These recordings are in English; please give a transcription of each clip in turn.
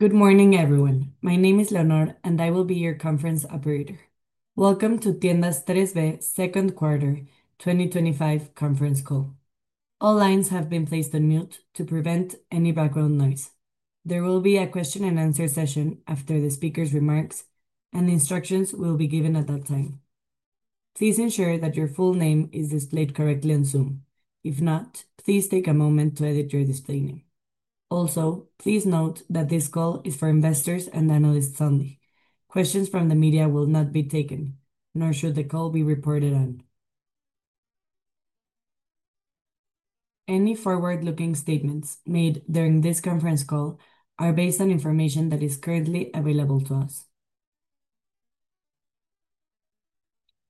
Good morning, everyone. My name is Leonard, and I will be your conference operator. Welcome to Tiendas 3B Second Quarter 2025 Conference Call. All lines have been placed on mute to prevent any background noise. There will be a question and answer session after the speaker's remarks, and instructions will be given at that time. Please ensure that your full name is displayed correctly on Zoom. If not, please take a moment to edit your display name. Also, please note that this call is for investors and analysts only. Questions from the media will not be taken, nor should the call be reported on. Any forward-looking statements made during this conference call are based on information that is currently available to us.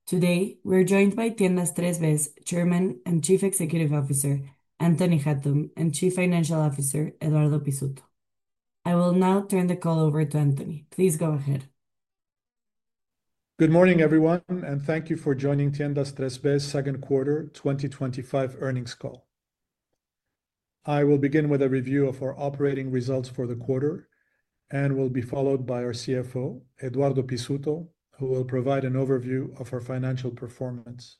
Today, we're joined by Tiendas 3B's Chairman and Chief Executive Officer, Anthony Hatoum, and Chief Financial Officer, Eduardo Pizzuto. I will now turn the call over to Anthony.Please go ahead. Good morning, everyone, and thank you for joining Tiendas 3B's Second Quarter 2025 Earnings Call. I will begin with a review of our operating results for the quarter, and we'll be followed by our CFO, Eduardo Pizzuto, who will provide an overview of our financial performance.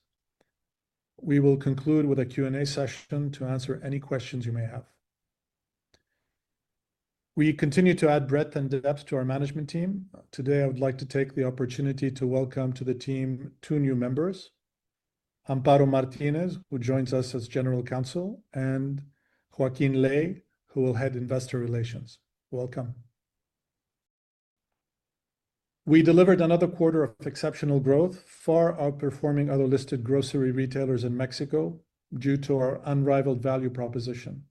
We will conclude with a Q&A session to answer any questions you may have. We continue to add breadth and depth to our management team. Today, I would like to take the opportunity to welcome to the team two new members, Amparo Martínez, who joins us as General Counsel, and Joaquín Ley, who will head Investor Relations. Welcome. We delivered another quarter of exceptional growth, far outperforming other listed grocery retailers in Mexico due to our unrivaled value proposition.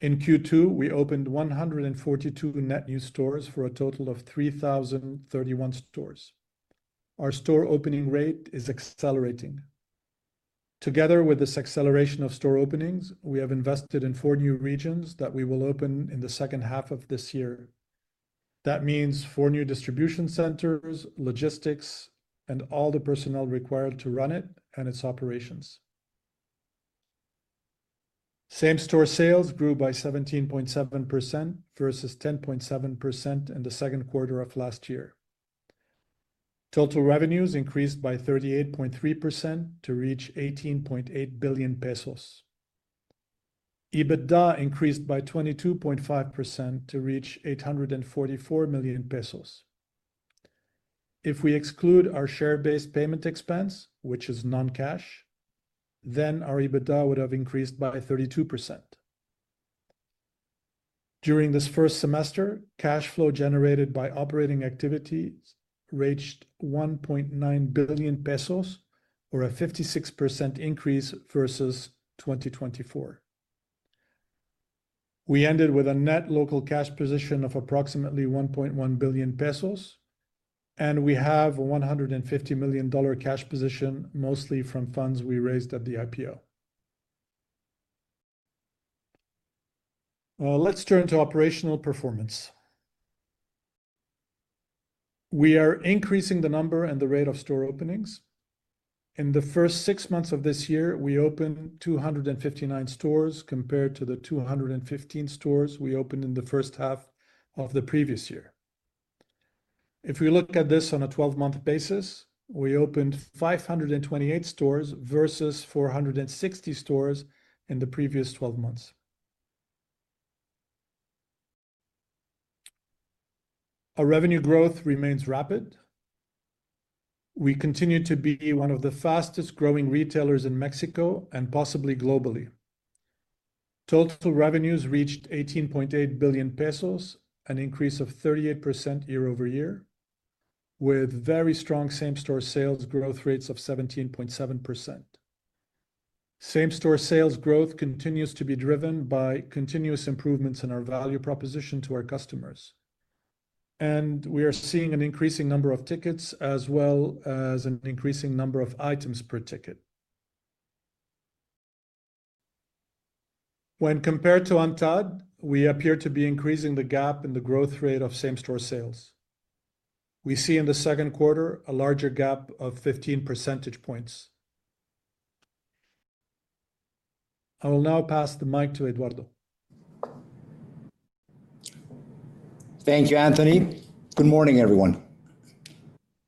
In Q2, we opened 142 net new stores for a total of 3,031 stores. Our store opening rate is accelerating. Together with this acceleration of store openings, we have invested in four new regions that we will open in the second half of this year. That means four new distribution centers, logistics, and all the personnel required to run it and its operations. Same-store sales grew by 17.7% versus 10.7% in the second quarter of last year. Total revenues increased by 38.3% to reach $18.8 billion pesos. EBITDA increased by 22.5% to reach $844 million pesos. If we exclude our share-based payment expense, which is non-cash, then our EBITDA would have increased by 32%. During this first semester, cash flow generated by operating activities reached $1.9 billion pesos, or a 56% increase versus 2024. We ended with a net local cash position of approximately $1.1 billion pesos, and we have a $150 million cash position, mostly from funds we raised at the IPO. Let's turn to operational performance. We are increasing the number and the rate of store openings. In the first six months of this year, we opened 259 stores compared to the 215 stores we opened in the first half of the previous year. If we look at this on a 12-month basis, we opened 528 stores versus 460 stores in the previous 12 months. Our revenue growth remains rapid. We continue to be one of the fastest growing retailers in Mexico and possibly globally. Total revenues reached $18.8 billion pesos, an increase of 38% year-over-year, with very strong same-store sales growth rates of 17.7%. Same-store sales growth continues to be driven by continuous improvements in our value proposition to our customers. We are seeing an increasing number of tickets as well as an increasing number of items per ticket. When compared to ANTAD, we appear to be increasing the gap in the growth rate of same-store sales. We see in the second quarter a larger gap of 15 percentage points. I will now pass the mic to Eduardo. Thank you, Anthony. Good morning, everyone.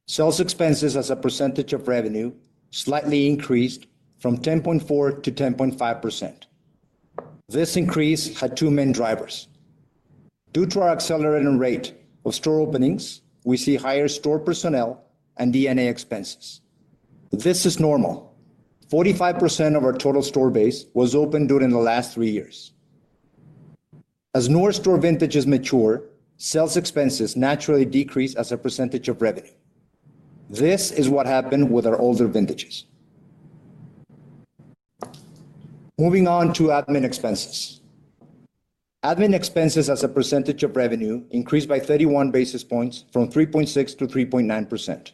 Sales expenses as a percentage of revenue slightly increased from 10.4%-10.5%. This increase had two main drivers. Due to our accelerating rate of store openings, we see higher store personnel and DNA expenses. This is normal. 45% of our total store base was opened during the last three years. As newer store vintages mature, sales expenses naturally decrease as a percentage of revenue. This is what happened with our older vintages. Moving on to admin expenses. Admin expenses as a percentage of revenue increased by 31 basis points from 3.6%-3.9%.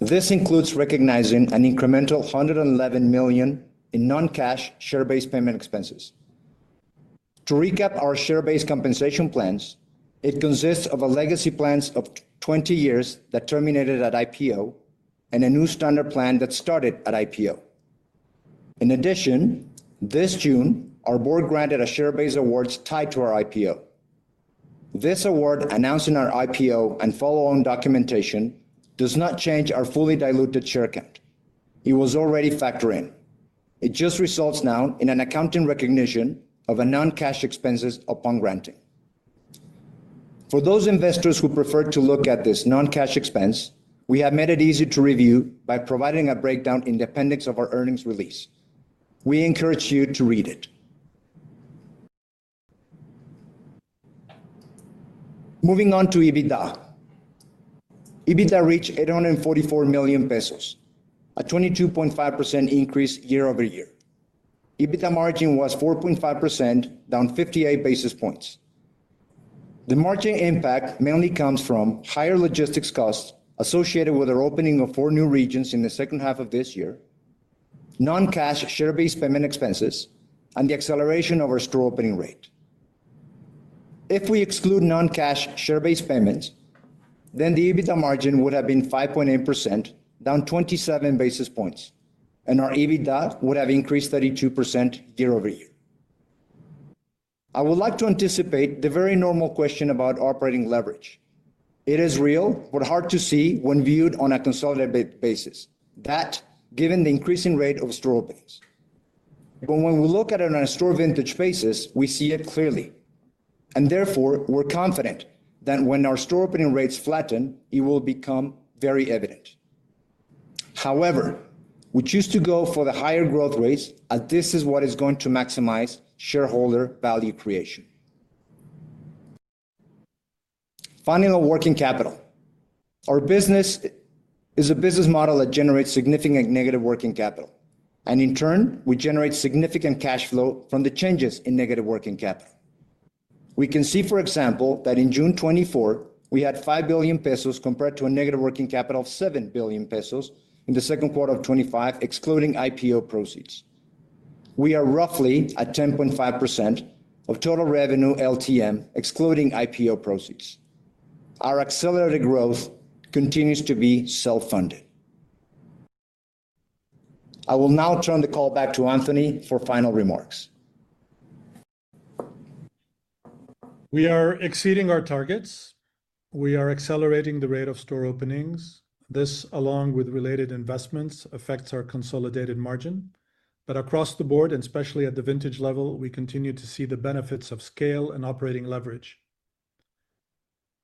This includes recognizing an incremental $111 million in non-cash share-based payment expenses. To recap our share-based compensation plans, it consists of a legacy plan of 20 years that terminated at IPO and a new standard plan that started at IPO. In addition, this June, our board granted a share-based award tied to our IPO. This award, announcing our IPO and follow-on documentation, does not change our fully-diluted share count. It was already factored in. It just results now in an accounting recognition of a non-cash expense upon granting. For those investors who prefer to look at this non-cash expense, we have made it easy to review by providing a breakdown in the appendix of our earnings release. We encourage you to read it. Moving on to EBITDA. EBITDA reached $844 million pesos, a 22.5% increase year-over-year. EBITDA margin was 4.5%, down 58 basis points. The margin impact mainly comes from higher logistics costs associated with our opening of four new regions in the second half of this year, non-cash share-based payment expenses, and the acceleration of our store opening rate. If we exclude non-cash share-based payments, then the EBITDA margin would have been 5.8%, down 27 basis points, and our EBITDA would have increased 32% year-over-year. I would like to anticipate the very normal question about operating leverage. It is real, but hard to see when viewed on a consolidated basis, given the increasing rate of store openings. When we look at it on a store vintage basis, we see it clearly. Therefore, we're confident that when our store opening rates flatten, it will become very evident. However, we choose to go for the higher growth rates as this is what is going to maximize shareholder value creation. Finally, on working capital. Our business is a business model that generates significant negative working capital. In turn, we generate significant cash flow from the changes in negative working capital. We can see, for example, that in June 2024, we had $5 billion pesos compared to a negative working capital of $7 billion pesos in the second quarter of 2025, excluding IPO proceeds. We are roughly at 10.5% of total revenue LTM, excluding IPO proceeds. Our accelerated growth continues to be self-funded. I will now turn the call back to Anthony for final remarks. We are exceeding our targets. We are accelerating the rate of store openings. This, along with related investments, affects our consolidated margin. Across the board, and especially at the vintage level, we continue to see the benefits of scale and operating leverage.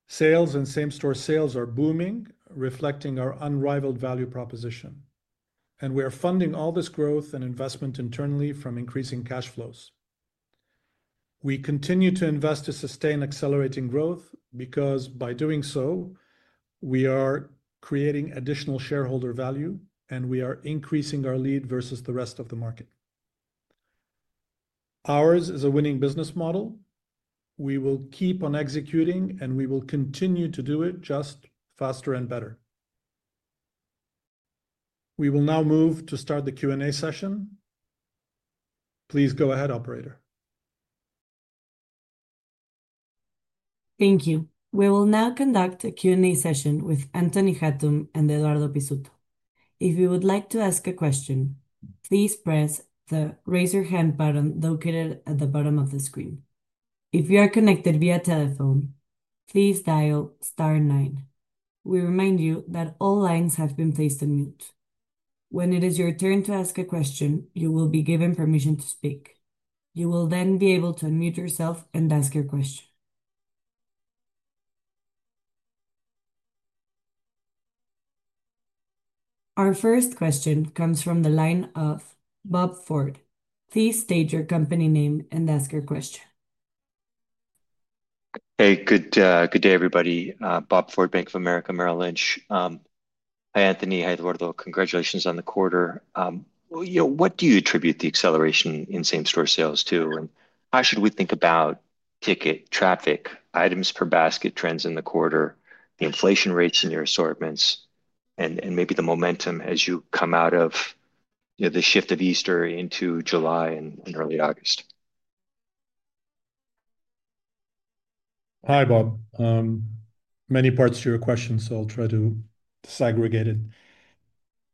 Sales and same-store sales are booming, reflecting our unrivaled value proposition. We are funding all this growth and investment internally from increasing cash flows. We continue to invest to sustain accelerating growth because by doing so, we are creating additional shareholder value, and we are increasing our lead versus the rest of the market. Ours is a winning business model. We will keep on executing, and we will continue to do it just faster and better. We will now move to start the Q&A session. Please go ahead, operator. Thank you. We will now conduct a Q&A session with Anthony Hatoum and Eduardo Pizzuto. If you would like to ask a question, please press the Raise Your Hand button located at the bottom of the screen. If you are connected via telephone, please dial Star, nine. We remind you that all lines have been placed on mute. When it is your turn to ask a question, you will be given permission to speak. You will then be able to unmute yourself and ask your question. Our first question comes from the line of Bob Ford. Please state your company name and ask your question. Hey, good day, everybody. Bob Ford, BofA Securities. Hi, Anthony, hi Eduardo. Congratulations on the quarter. What do you attribute the acceleration in same-store sales to? How should we think about ticket, traffic, items per basket trends in the quarter, the inflation rates in your assortments, and maybe the momentum as you come out of the shift of Easter into July and early August? Hi, Bob. Many parts to your question, so I'll try to disaggregate it.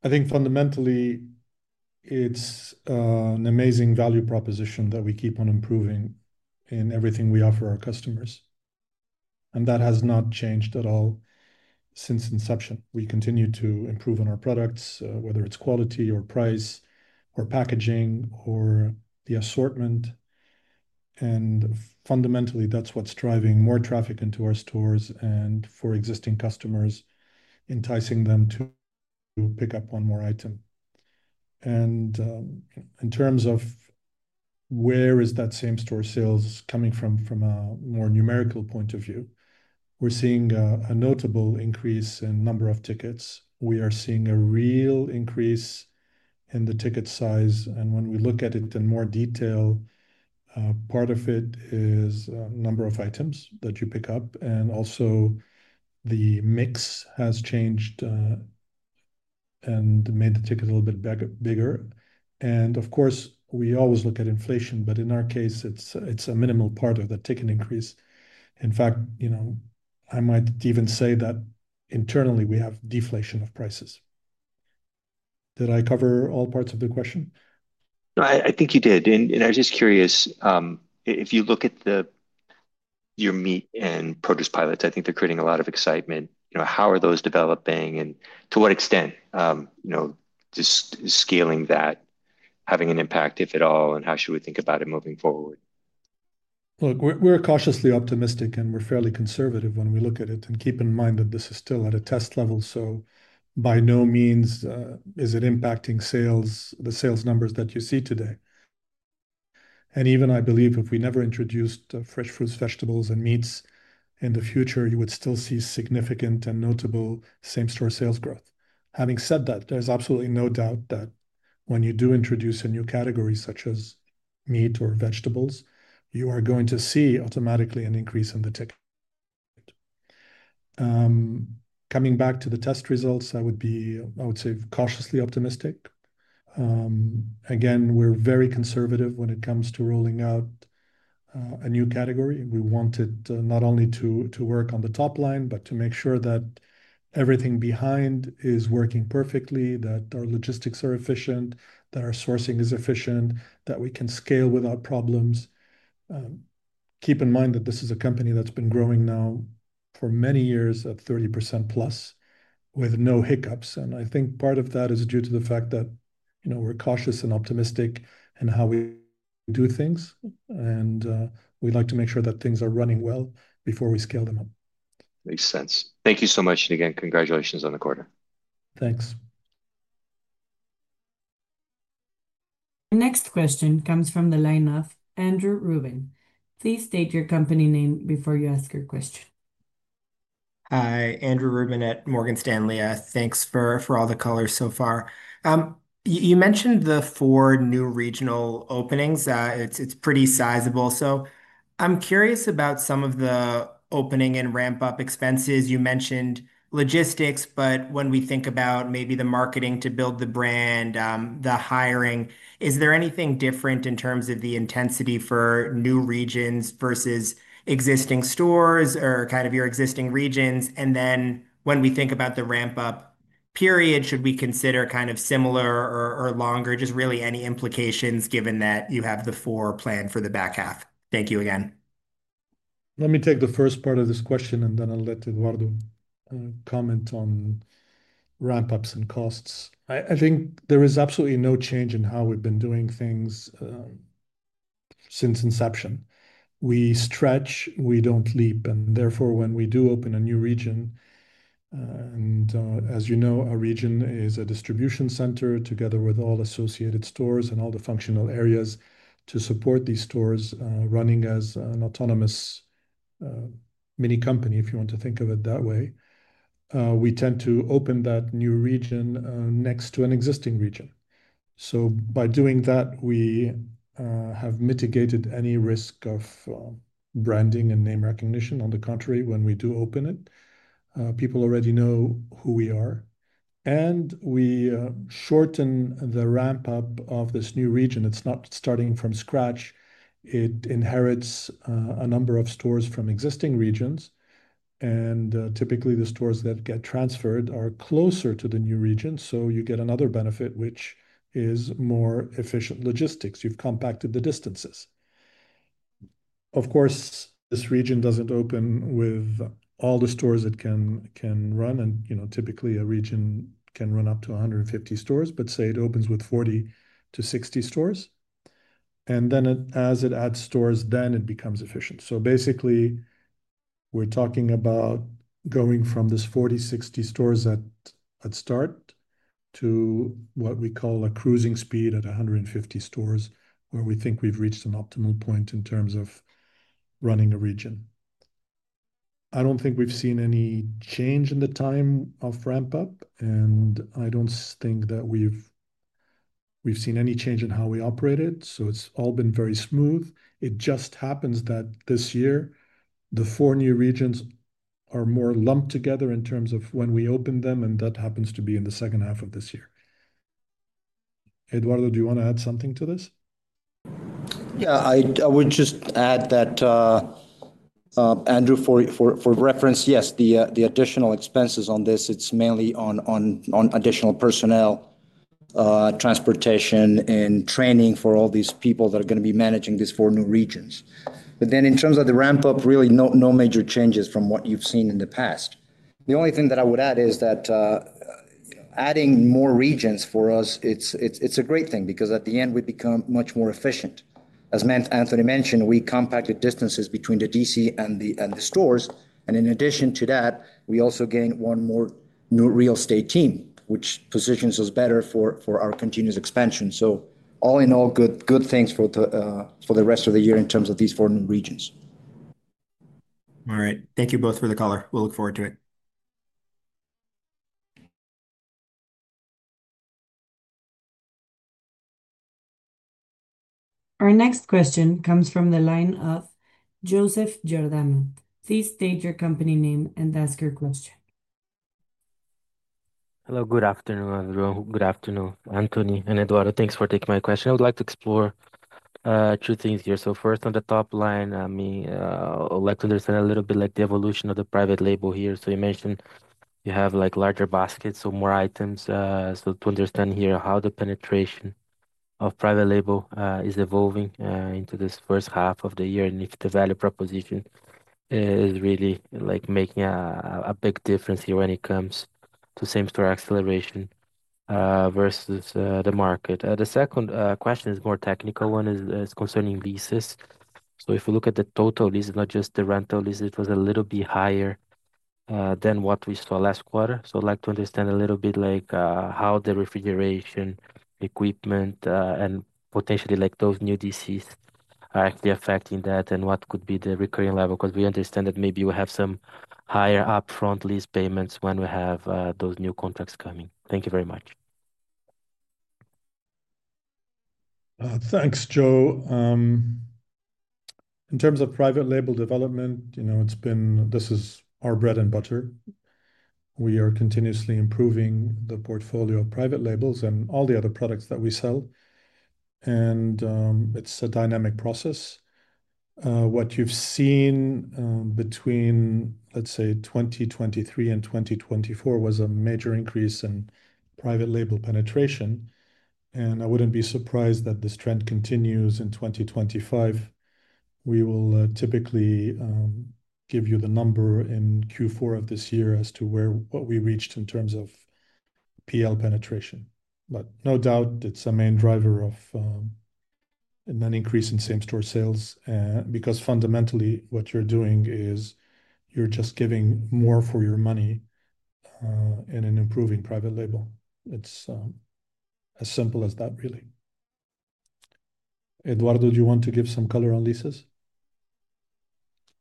I think fundamentally, it's an amazing value proposition that we keep on improving in everything we offer our customers. That has not changed at all since inception. We continue to improve on our products, whether it's quality or price or packaging or the assortment. Fundamentally, that's what's driving more traffic into our stores and for existing customers, enticing them to pick up one more item. In terms of where is that same-store sales coming from, from a more numerical point of view, we're seeing a notable increase in the number of tickets. We are seeing a real increase in the ticket size. When we look at it in more detail, part of it is the number of items that you pick up. Also, the mix has changed and made the tickets a little bit bigger. Of course, we always look at inflation, but in our case, it's a minimal part of the ticket increase. In fact, I might even say that internally, we have deflation of prices. Did I cover all parts of your question? I think you did. I was just curious, if you look at your meat and produce pilots, I think they're creating a lot of excitement. How are those developing and to what extent is scaling that having an impact, if at all, and how should we think about it moving forward? Look, we're cautiously optimistic and we're fairly conservative when we look at it, and keep in mind that this is still at a test level. By no means is it impacting sales, the sales numbers that you see today. Even if we never introduced fresh fruits, vegetables, and meats in the future, you would still see significant and notable same-store sales growth. Having said that, there's absolutely no doubt that when you do introduce a new category such as meat or vegetables, you are going to see automatically an increase in the ticket. Coming back to the test results, I would say cautiously optimistic. We're very conservative when it comes to rolling out a new category. We want it not only to work on the top line, but to make sure that everything behind is working perfectly, that our logistics are efficient, that our sourcing is efficient, that we can scale without problems. Keep in mind that this is a company that's been growing now for many years at 30%+ with no hiccups. I think part of that is due to the fact that we're cautious and optimistic in how we do things. We like to make sure that things are running well before we scale them up. Makes sense. Thank you so much, and again, congratulations on the quarter. Thanks. The next question comes from the line of Andrew Ruben. Please state your company name before you ask your question. Hi, Andrew Ruben at Morgan Stanley. Thanks for all the color so far. You mentioned the four new regional openings. It's pretty sizable. I'm curious about some of the opening and ramp-up expenses. You mentioned logistics. When we think about maybe the marketing to build the brand, the hiring, is there anything different in terms of the intensity for new regions versus existing stores or your existing regions? When we think about the ramp-up period, should we consider kind of similar or longer? Just really any implications given that you have the four planned for the back half? Thank you again. Let me take the first part of this question, and then I'll let Eduardo comment on ramp-ups and costs. I think there is absolutely no change in how we've been doing things since inception. We stretch, we don't leap. Therefore, when we do open a new region, and as you know, our region is a distribution center together with all associated stores and all the functional areas to support these stores running as an autonomous mini company, if you want to think of it that way. We tend to open that new region next to an existing region. By doing that, we have mitigated any risk of branding and name recognition. On the contrary, when we do open it, people already know who we are. We shorten the ramp-up of this new region. It's not starting from scratch. It inherits a number of stores from existing regions. Typically, the stores that get transferred are closer to the new region. You get another benefit, which is more efficient logistics. You've compacted the distances. Of course, this region doesn't open with all the stores it can run. Typically, a region can run up to 150 stores, but say it opens with 40-60 stores. As it adds stores, then it becomes efficient. Basically, we're talking about going from this 40-60 stores at start to what we call a cruising speed at 150 stores, where we think we've reached an optimal point in terms of running a region. I don't think we've seen any change in the time of ramp-up. I don't think that we've seen any change in how we operate it. It's all been very smooth. It just happens that this year, the four new regions are more lumped together in terms of when we open them. That happens to be in the second half of this year. Eduardo, do you want to add something to this? Yeah, I would just add that, Andrew, for reference, yes, the additional expenses on this are mainly on additional personnel, transportation, and training for all these people that are going to be managing these four new regions. In terms of the ramp-up, really no major changes from what you've seen in the past. The only thing that I would add is that adding more regions for us is a great thing because at the end, we become much more efficient. As Anthony mentioned, we compacted distances between the DC and the stores. In addition to that, we also gained one more new real estate team, which positions us better for our continuous expansion. All in all, good things for the rest of the year in terms of these four new regions. All right. Thank you both for the call. We'll look forward to it. Our next question comes from the line of Joseph Giordano. Please state your company name and ask your question. Hello, good afternoon, everyone. Good afternoon, Anthony and Eduardo. Thanks for taking my question. I would like to explore two things here. First, on the top line, I would like to understand a little bit like the evolution of the private label here. You mentioned you have like larger baskets, so more items. I want to understand here how the penetration of private label is evolving into this first half of the year and if the value proposition is really like making a big difference here when it comes to same-store acceleration versus the market. The second question is a more technical one. It's concerning leases. If we look at the total lease, not just the rental lease, it was a little bit higher than what we saw last quarter. I'd like to understand a little bit like how the refrigeration equipment and potentially like those new DCs are actually affecting that and what could be the recurring level because we understand that maybe we have some higher upfront lease payments when we have those new contracts coming. Thank you very much. Thanks, Joe. In terms of private label development, you know, it's been, this is our bread and butter. We are continuously improving the portfolio of private label and all the other products that we sell. It's a dynamic process. What you've seen between, let's say, 2023 and 2024 was a major increase in private label penetration. I wouldn't be surprised that this trend continues in 2025. We will typically give you the number in Q4 of this year as to what we reached in terms of PL penetration. No doubt, it's a main driver of an increase in same-store sales because fundamentally, what you're doing is you're just giving more for your money in an improving private label. It's as simple as that, really. Eduardo, do you want to give some color on leases?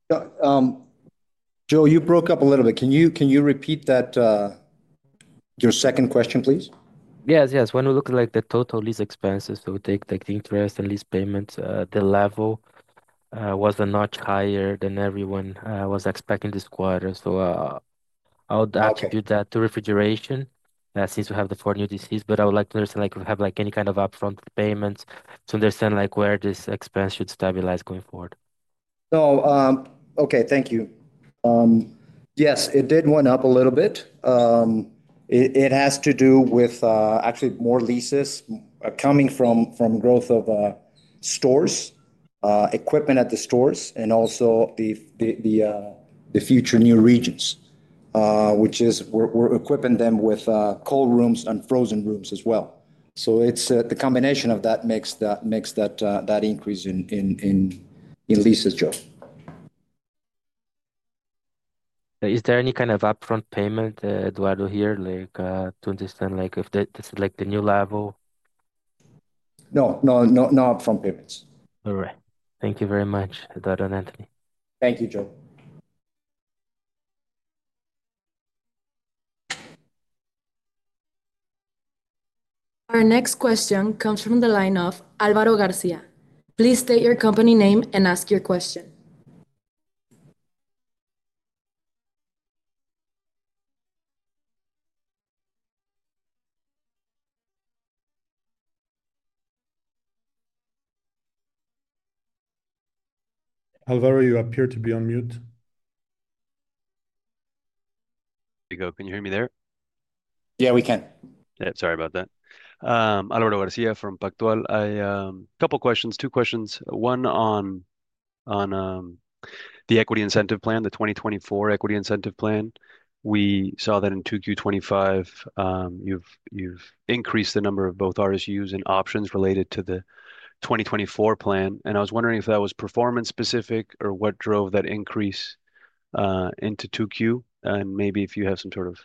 Joe, you broke up a little bit. Can you repeat your second question, please? Yes, yes. When we look at the total lease expenses, we take the interest and lease payments, the level was a notch higher than everyone was expecting this quarter. I would attribute that to refrigeration since we have the four new DCs. I would like to understand if you have any kind of upfront payments to understand where this expense should stabilize going forward. Oh, okay. Thank you. Yes, it did go up a little bit. It has to do with actually more leases coming from growth of stores, equipment at the stores, and also the future new regions, which is we're equipping them with cold rooms and frozen rooms as well. It's the combination of that that makes that increase in leases, Joe. Is there any kind of upfront payment, Eduardo, here to understand if this is the new level? No upfront payments. All right. Thank you very much, Eduardo and Anthony. Thank you, Joe. Our next question comes from the line of Álvaro García. Please state your company name and ask your question. Álvaro, you appear to be on mute. There you go. Can you hear me? Yeah, we can. Sorry about that. Álvaro García from Pactual. A couple of questions, two questions. One on the equity incentive plan, the 2024 equity incentive plan. We saw that in Q2 2025, you've increased the number of both RSUs and options related to the 2024 plan. I was wondering if that was performance-specific or what drove that increase into Q2, and maybe if you have some sort of,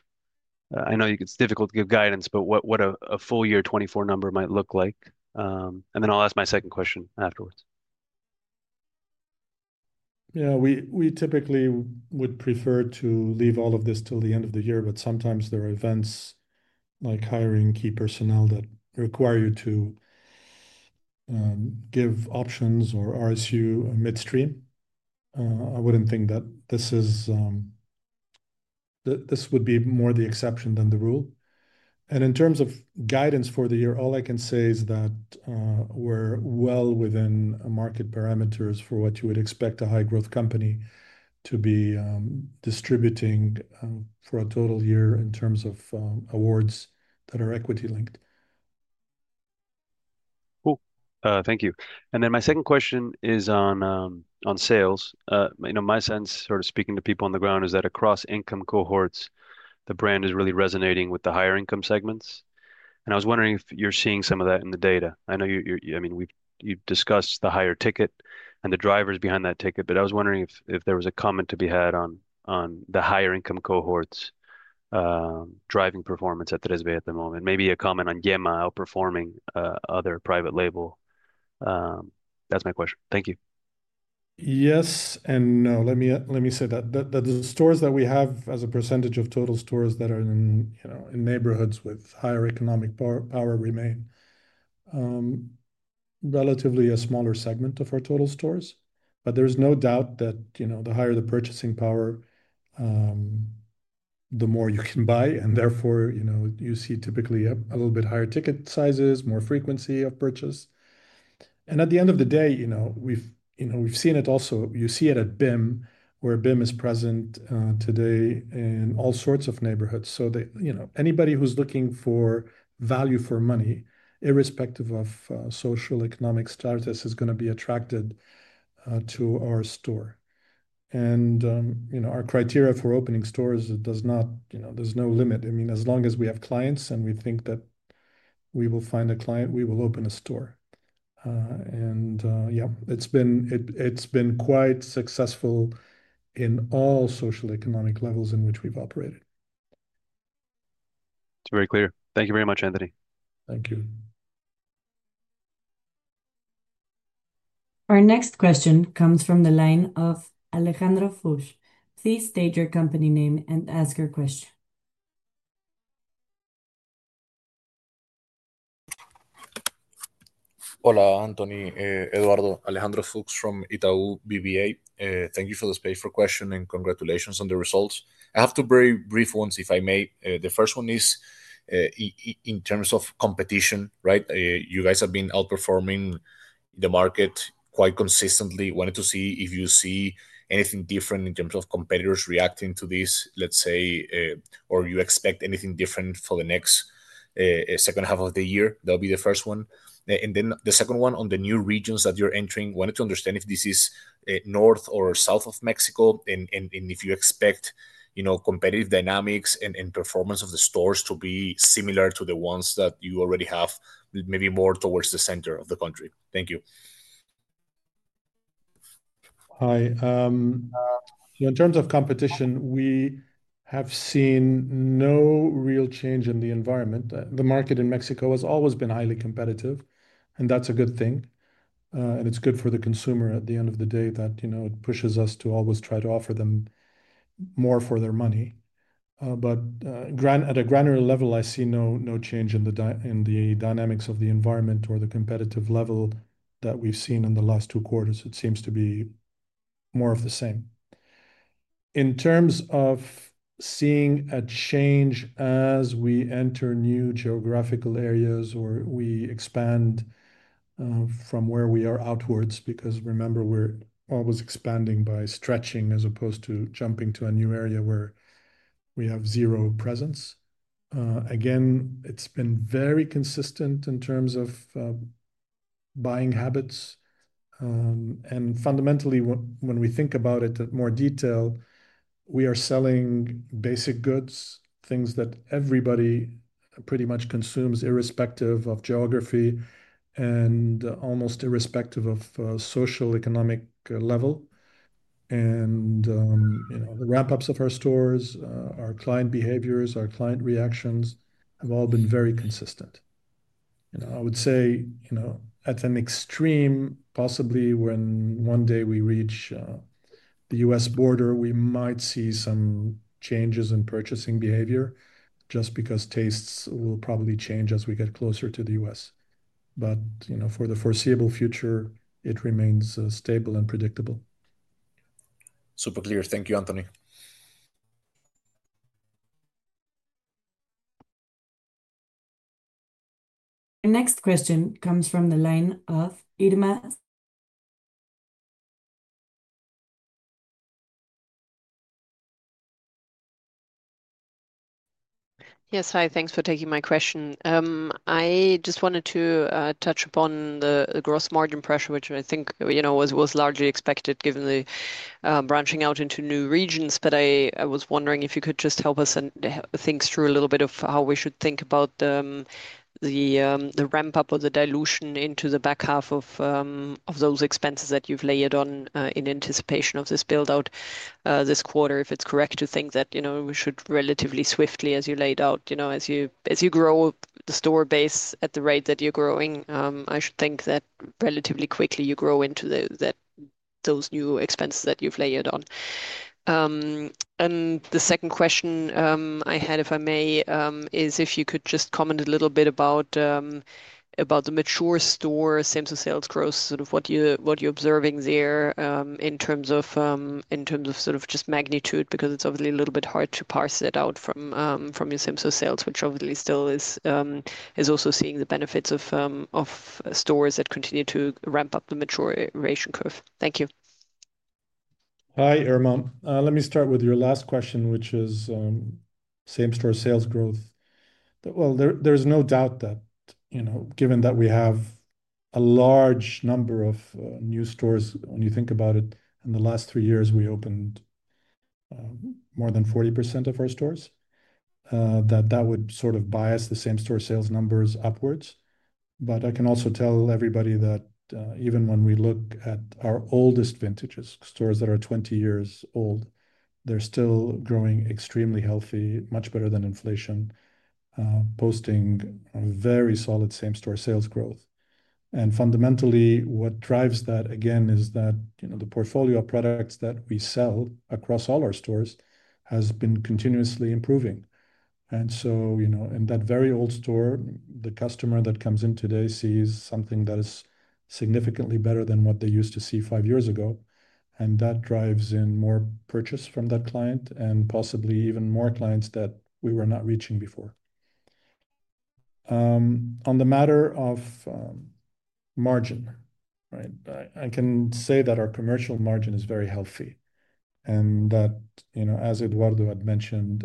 I know it's difficult to give guidance, but what a full year 2024 number might look like. I'll ask my second question afterwards. Yeah, we typically would prefer to leave all of this till the end of the year, but sometimes there are events like hiring key personnel that require you to give options or RSU midstream. I wouldn't think that this would be more the exception than the rule. In terms of guidance for the year, all I can say is that we're well within market parameters for what you would expect a high-growth company to be distributing for a total year in terms of awards that are equity-linked. Cool. Thank you. My second question is on sales. My sense, sort of speaking to people on the ground, is that across income cohorts, the brand is really resonating with the higher income segments. I was wondering if you're seeing some of that in the data. I know you've discussed the higher ticket and the drivers behind that ticket, but I was wondering if there was a comment to be had on the higher income cohorts driving performance at BBB Foods at the moment. Maybe a comment on Yema outperforming other private label. That's my question. Thank you. Yes, and no. Let me say that the stores that we have as a percentage of total stores that are in neighborhoods with higher economic power remain relatively a smaller segment of our total stores. There's no doubt that the higher the purchasing power, the more you can buy. Therefore, you see typically a little bit higher ticket sizes, more frequency of purchase. At the end of the day, you know we've seen it also, you see it at ANTAD, where ANTAD is present today in all sorts of neighborhoods. Anybody who's looking for value for money, irrespective of social, economic status, is going to be attracted to our store. Our criteria for opening stores does not, there's no limit. I mean, as long as we have clients and we think that we will find a client, we will open a store. Yeah, it's been quite successful in all social, economic levels in which we've operated. It's very clear. Thank you very much, Anthony. Thank you. Our next question comes from the line of Alejandro Fuchs. Please state your company name and ask your question. Hola, Anthony, Eduardo, Alejandro Fuchs from Itaú BBA. Thank you for the space for questions and congratulations on the results. I have two very brief ones, if I may. The first one is in terms of competition, right? You guys have been outperforming the market quite consistently. I wanted to see if you see anything different in terms of competitors reacting to this, let's say, or you expect anything different for the next second half of the year. That would be the first one. The second one on the new regions that you're entering, I wanted to understand if this is north or south of Mexico and if you expect, you know, competitive dynamics and performance of the stores to be similar to the ones that you already have, maybe more towards the center of the country. Thank you. Hi. In terms of competition, we have seen no real change in the environment. The market in Mexico has always been highly competitive, and that's a good thing. It's good for the consumer at the end of the day that, you know, it pushes us to always try to offer them more for their money. At a granular level, I see no change in the dynamics of the environment or the competitive level that we've seen in the last two quarters. It seems to be more of the same. In terms of seeing a change as we enter new geographical areas or we expand from where we are outwards, because remember, we're always expanding by stretching as opposed to jumping to a new area where we have zero presence. Again, it's been very consistent in terms of buying habits. Fundamentally, when we think about it in more detail, we are selling basic goods, things that everybody pretty much consumes, irrespective of geography and almost irrespective of social, economic level. The ramp-ups of our stores, our client behaviors, our client reactions have all been very consistent. I would say, at an extreme, possibly when one day we reach the U.S. border, we might see some changes in purchasing behavior just because tastes will probably change as we get closer to the U.S. For the foreseeable future, it remains stable and predictable. Super clear. Thank you, Anthony. Our next question comes from the line of Irma Sgarz. Yeah, sorry. Thanks for taking my question. I just wanted to touch upon the gross margin pressure, which I think was largely expected given the branching out into new regions. I was wondering if you could just help us think through a little bit of how we should think about the ramp-up or the dilution into the back half of those expenses that you've layered on in anticipation of this build-out this quarter. If it's correct to think that we should relatively swiftly, as you laid out, as you grow the store base at the rate that you're growing, I should think that relatively quickly you grow into those new expenses that you've layered on. The second question I had, if I may, is if you could just comment a little bit about the mature store same-store sales growth, sort of what you're observing there in terms of sort of just magnitude, because it's obviously a little bit hard to parse it out from your same-store sales, which obviously still is also seeing the benefits of stores that continue to ramp up the maturation curve. Thank you. Hi, Irma. Let me start with your last question, which is same-store sales growth. There's no doubt that, given that we have a large number of new stores, when you think about it, in the last three years, we opened more than 40% of our stores. That would sort of bias the same-store sales numbers upwards. I can also tell everybody that even when we look at our oldest vintages, stores that are 20 years old, they're still growing extremely healthy, much better than inflation, posting very solid same-store sales growth. Fundamentally, what drives that, again, is that the portfolio of products that we sell across all our stores has been continuously improving. In that very old store, the customer that comes in today sees something that is significantly better than what they used to see five years ago. That drives in more purchase from that client and possibly even more clients that we were not reaching before. On the matter of margin, I can say that our commercial margin is very healthy. As Eduardo had mentioned,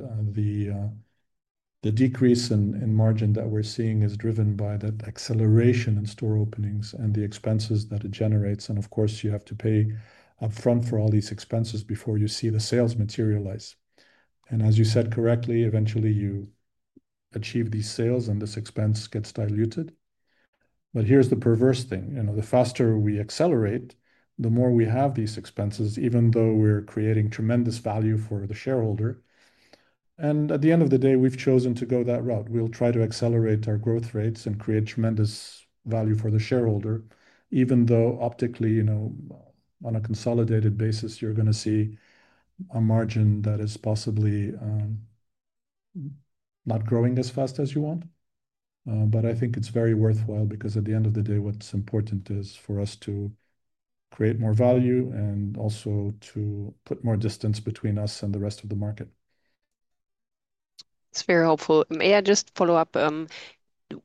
the decrease in margin that we're seeing is driven by that acceleration in store openings and the expenses that it generates. Of course, you have to pay upfront for all these expenses before you see the sales materialize. As you said correctly, eventually you achieve these sales and this expense gets diluted. Here's the perverse thing. The faster we accelerate, the more we have these expenses, even though we're creating tremendous value for the shareholder. At the end of the day, we've chosen to go that route. We'll try to accelerate our growth rates and create tremendous value for the shareholder, even though optically, on a consolidated basis, you're going to see a margin that is possibly not growing as fast as you want. I think it's very worthwhile because at the end of the day, what's important is for us to create more value and also to put more distance between us and the rest of the market. That's very helpful. May I just follow up?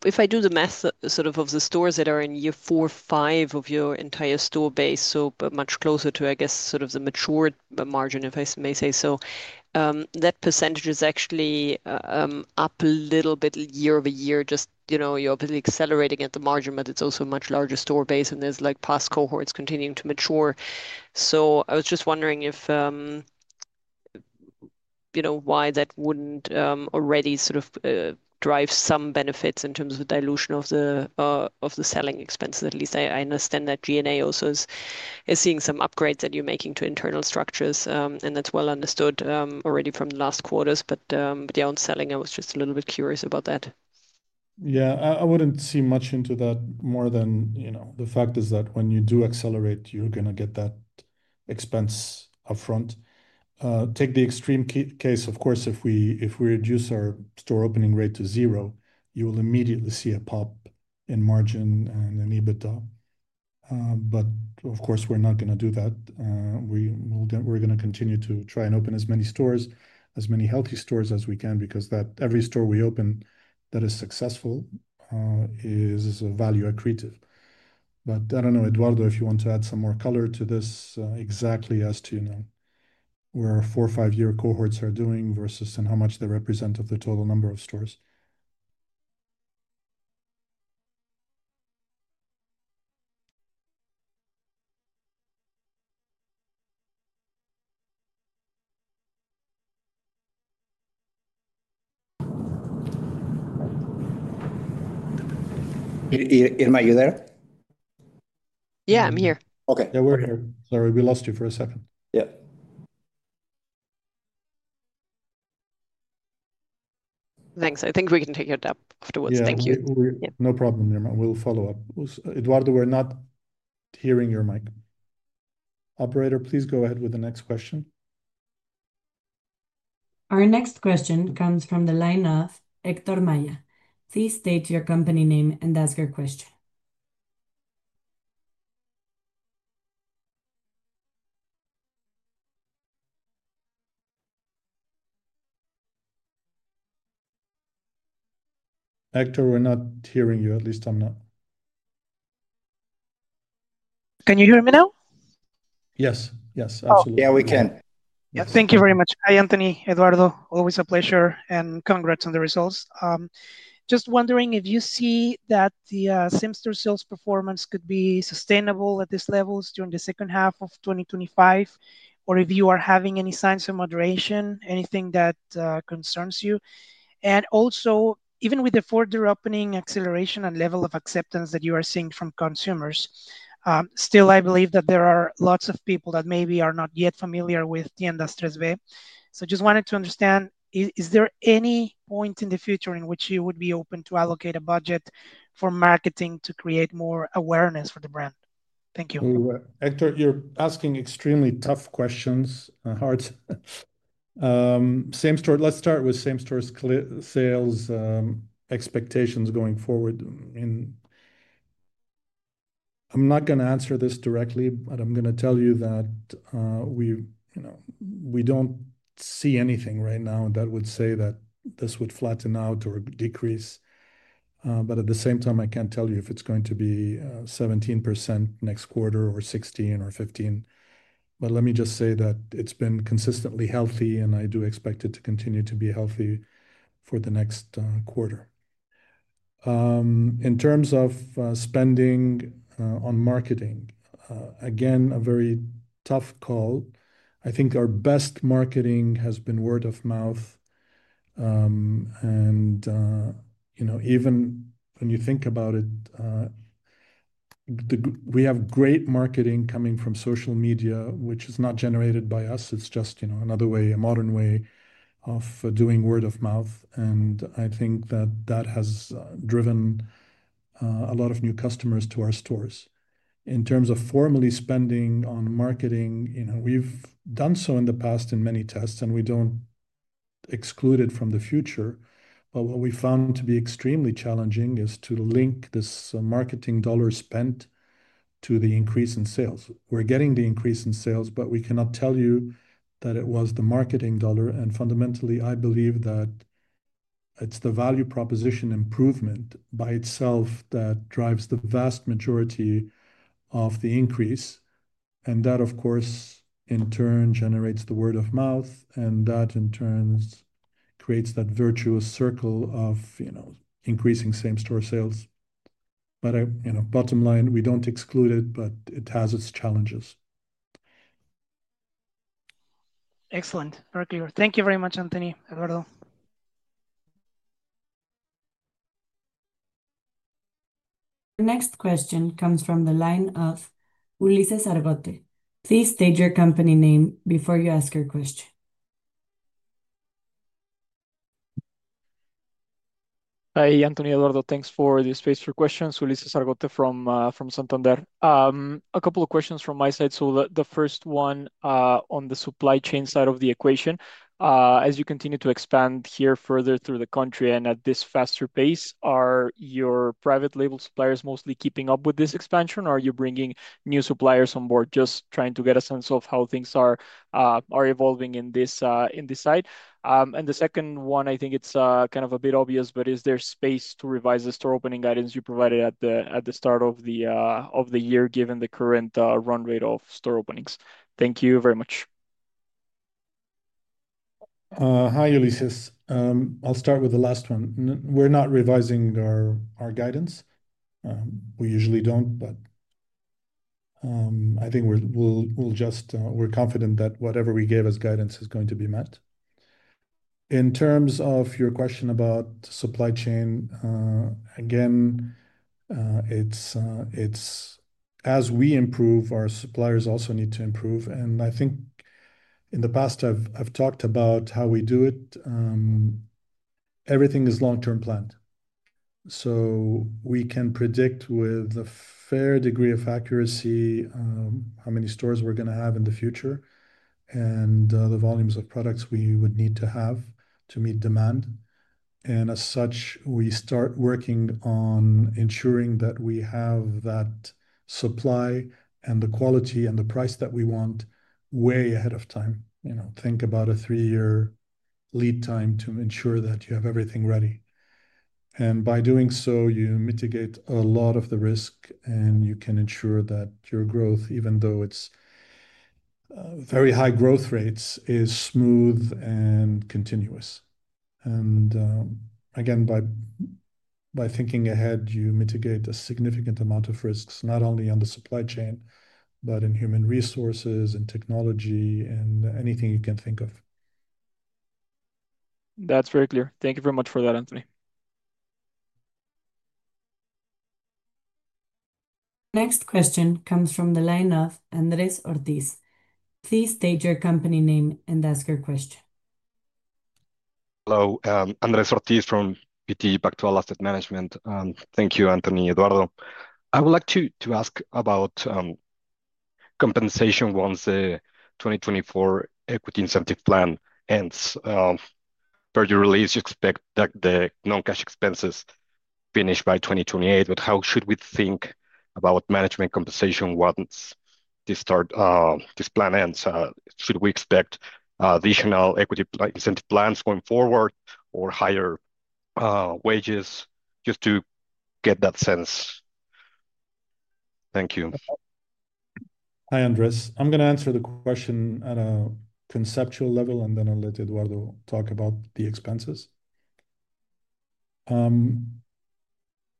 If I do the math of the stores that are in year four, five of your entire store base, much closer to, I guess, the mature margin, if I may say so, that percentage is actually up a little bit year-over-year. You're obviously accelerating at the margin, but it's also a much larger store base, and there are past cohorts continuing to mature. I was just wondering why that wouldn't already drive some benefits in terms of the dilution of the selling expenses. At least I understand that G&A also is seeing some upgrades that you're making to internal structures, and that's well understood already from the last quarters. On selling, I was just a little bit curious about that. Yeah, I wouldn't see much into that more than, you know, the fact is that when you do accelerate, you're going to get that expense upfront. Take the extreme case, of course, if we reduce our store opening rate to zero, you will immediately see a pop in margin and in EBITDA. Of course, we're not going to do that. We're going to continue to try and open as many stores, as many healthy stores as we can, because every store we open that is successful is value accretive. I don't know, Eduardo, if you want to add some more color to this exactly as to where four or five-year cohorts are doing versus how much they represent of the total number of stores. Irma, are you there? Yeah, I'm here. Okay. Yeah, we're here. Sorry, we lost you for a second. Yeah. Thanks. I think we can take a break afterwards. Thank you. Yeah, no problem, Irma. We'll follow up. Eduardo, we're not hearing your mic. Operator, please go ahead with the next question. Our next question comes from the line of Héctor Maya. Please state your company name and ask your question. Héctor, we're not hearing you. At least I'm not. Can you hear me now? Yes, yes, absolutely. Yeah, we can. Thank you very much. Hi, Anthony, Eduardo. Always a pleasure and congrats on the results. Just wondering if you see that the same-store sales performance could be sustainable at these levels during the second half of 2025, or if you are having any signs of moderation, anything that concerns you. Also, even with the further opening acceleration and level of acceptance that you are seeing from consumers, I believe that there are lots of people that maybe are not yet familiar with Tiendas 3B. I just wanted to understand, is there any point in the future in which you would be open to allocate a budget for marketing to create more awareness for the brand? Thank you. Héctor, you're asking extremely tough questions. Let's start with same-store sales expectations going forward. I'm not going to answer this directly, but I'm going to tell you that we don't see anything right now that would say that this would flatten out or decrease. At the same time, I can't tell you if it's going to be 17% next quarter or 16% or 15%. Let me just say that it's been consistently healthy, and I do expect it to continue to be healthy for the next quarter. In terms of spending on marketing, again, a very tough call. I think our best marketing has been word of mouth. Even when you think about it, we have great marketing coming from social media, which is not generated by us. It's just another way, a modern way of doing word of mouth. I think that that has driven a lot of new customers to our stores. In terms of formally spending on marketing, we've done so in the past in many tests, and we don't exclude it from the future. What we found to be extremely challenging is to link this marketing dollar spent to the increase in sales. We're getting the increase in sales, but we cannot tell you that it was the marketing dollar. Fundamentally, I believe that it's the value proposition improvement by itself that drives the vast majority of the increase. That, of course, in turn, generates the word of mouth. That, in turn, creates that virtuous circle of increasing same-store sales. Bottom line, we don't exclude it, but it has its challenges. Excellent, very clear. Thank you very much, Anthony, Eduardo. The next question comes from the line of Ulises Argote. Please state your company name before you ask your question. Hi, Anthony, Eduardo. Thanks for the space for questions. Ulises Argote from Santander. A couple of questions from my side. The first one on the supply chain side of the equation. As you continue to expand here further through the country and at this faster pace, are your private label suppliers mostly keeping up with this expansion, or are you bringing new suppliers on board? Just trying to get a sense of how things are evolving in this side. The second one, I think it's kind of a bit obvious, but is there space to revise the store opening guidance you provided at the start of the year given the current run rate of store openings? Thank you very much. Hi, Ulises. I'll start with the last one. We're not revising our guidance. We usually don't, but I think we're confident that whatever we gave as guidance is going to be met. In terms of your question about supply chain, as we improve, our suppliers also need to improve. I think in the past, I've talked about how we do it. Everything is long-term planned. We can predict with a fair degree of accuracy how many stores we're going to have in the future and the volumes of products we would need to have to meet demand. As such, we start working on ensuring that we have that supply and the quality and the price that we want way ahead of time. Think about a three-year lead time to ensure that you have everything ready. By doing so, you mitigate a lot of the risk and you can ensure that your growth, even though it's very high growth rates, is smooth and continuous. By thinking ahead, you mitigate a significant amount of risks, not only on the supply chain, but in human resources and technology and anything you can think of. That's very clear. Thank you very much for that, Anthony. Next question comes from the line of Andres Ortiz. Please state your company name and ask your question. Hello, Andrés Ortiz from BTG Pactual Asset Management. Thank you, Anthony, Eduardo. I would like to ask about compensation once the 2024 equity incentive plan ends. Per your release, you expect that the non-cash expenses finish by 2028, but how should we think about management compensation once this plan ends? Should we expect additional equity incentive plans going forward or higher wages? Just to get that sense. Thank you. Hi, Andres. I'm going to answer the question at a conceptual level and then I'll let Eduardo talk about the expenses.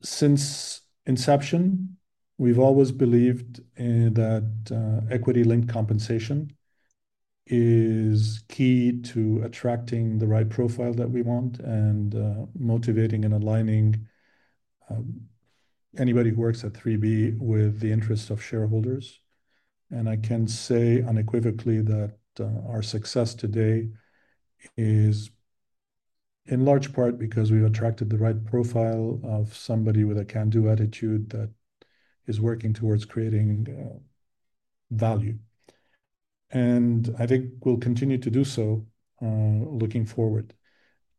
Since inception, we've always believed that equity-linked compensation is key to attracting the right profile that we want and motivating and aligning anybody who works at Tiendas 3B with the interests of shareholders. I can say unequivocally that our success today is in large part because we've attracted the right profile of somebody with a can-do attitude that is working towards creating value. I think we'll continue to do so, looking forward.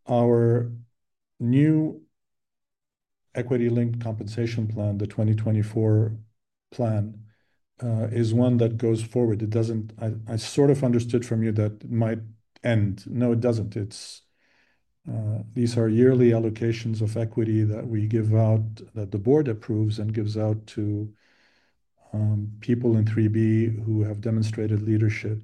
Our new equity-linked compensation plan, the 2024 plan, is one that goes forward. I sort of understood from you that it might end. No, it doesn't. These are yearly allocations of equity that we give out, that the board approves and gives out to people in Tiendas 3B who have demonstrated leadership.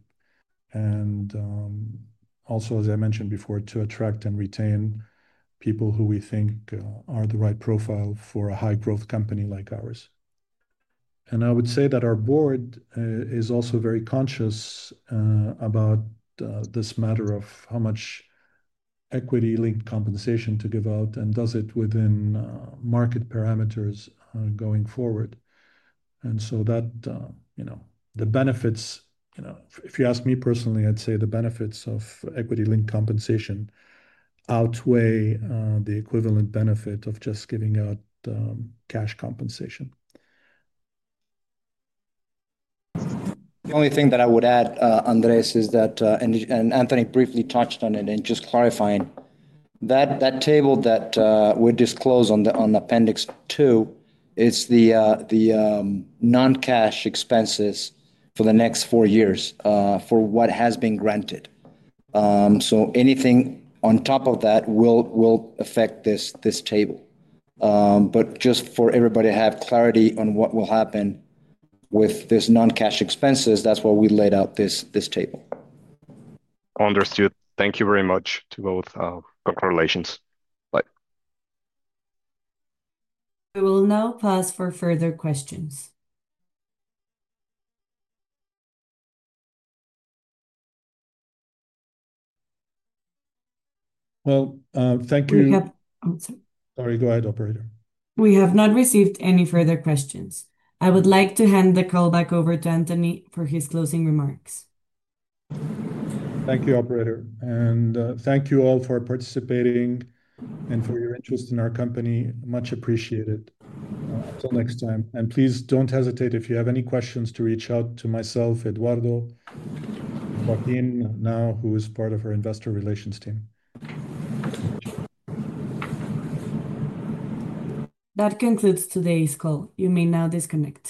Also, as I mentioned before, to attract and retain people who we think are the right profile for a high-growth company like ours. I would say that our board is also very conscious about this matter of how much equity-linked compensation to give out and does it within market parameters going forward. The benefits, if you ask me personally, I'd say the benefits of equity-linked compensation outweigh the equivalent benefit of just giving out cash compensation. The only thing that I would add, Andres, is that, and Anthony briefly touched on it, just clarifying, that table that we disclose on the Appendix two is the non-cash expenses for the next four years for what has been granted. Anything on top of that will affect this table. Just for everybody to have clarity on what will happen with this non-cash expenses, that's why we laid out this table. Understood. Thank you very much to both. Congratulations. Bye. We will now pause for further questions. Thank you. We have. Sorry, go ahead, operator. We have not received any further questions. I would like to hand the call back over to Anthony for his closing remarks. Thank you, operator. Thank you all for participating and for your interest in our company. Much appreciated. Until next time. Please don't hesitate if you have any questions to reach out to myself, Eduardo, and Joaquín now, who is part of our Investor Relations team. That concludes today's call. You may now disconnect.